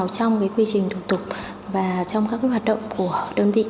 trong quy trình thủ tục và trong các hoạt động của đơn vị